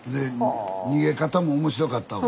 逃げ方も面白かったわ。